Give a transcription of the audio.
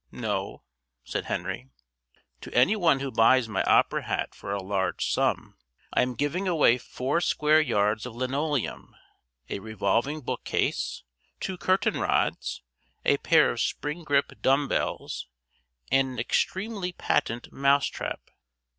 "No," said Henry. "To any one who buys my opera hat for a large sum I am giving away four square yards of linoleum, a revolving bookcase, two curtain rods, a pair of spring grip dumb bells and an extremely patent mouse trap."